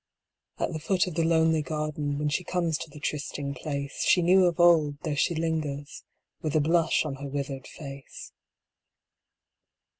At the foot of the lonely garden, When she comes to the trysting place She knew of old, there she lingers, With a blush on her withered face.